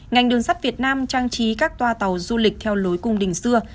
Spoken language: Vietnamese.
ngành đường sắt việt nam trang trí các toa tàu du lịch theo lối cung đình xưa